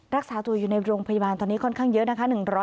รักษาตัวอยู่ในโรงพยาบาลตอนนี้ค่อนข้างเยอะนะคะ